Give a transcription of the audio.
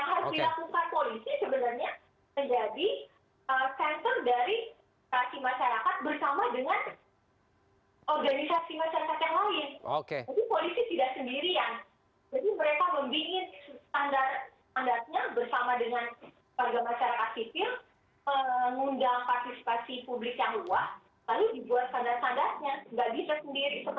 nggak bisa sendiri seperti yang tadi disampaikan itu